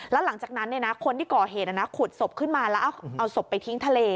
แล้วหลังจากนั้นคนที่ก่อเหตุขุดศพขึ้นมาแล้วเอาศพไปทิ้งทะเล